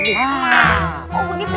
gede semuanya begini ya